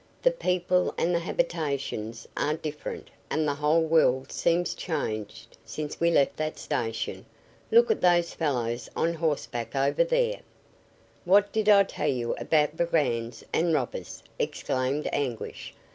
"The people and the habitations are different and the whole world seems changed since we left that station. Look at those fellows on horseback over there." "What did I tell you about brigands and robbers!" exclaimed Anguish.